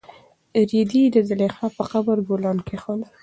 رېدي د زلیخا په قبر کې ګلان کېښودل.